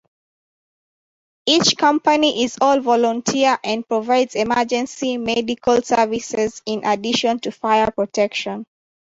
Each company is all-volunteer and provides emergency medical services in addition to fire protection.